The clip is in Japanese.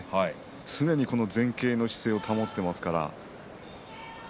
常に前傾の姿勢を保っていますから。